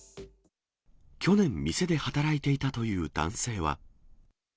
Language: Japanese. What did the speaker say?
去年、店で働いていたという男性は。